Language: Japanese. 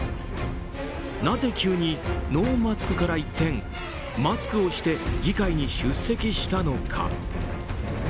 なぜ急にノーマスクから一転マスクをして議会に出席したのか。